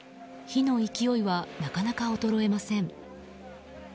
火の勢いはなかなか衰えません。